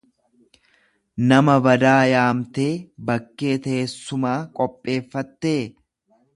Nama badaa yaamtee bakkee teessumaa qopheeffattee?